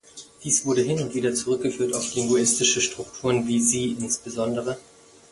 Dies wurde hin und wieder zurückgeführt auf linguistische Strukturen, wie sie insb.